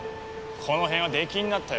この辺は出禁になったよ